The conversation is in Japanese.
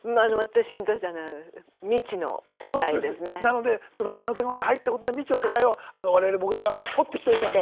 なのでその矢野さんがまだ入ったことない未知の世界を我々モグラが掘ってきておりますんで。